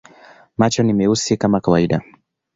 Macho ni meusi kwa kawaida.